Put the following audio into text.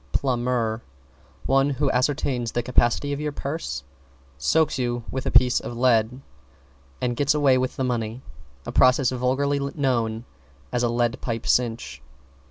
=PLUMBER= One who ascertains the capacity of your purse, soaks you with a piece of lead and gets away with the money a process vulgarly known as "a lead pipe cinch."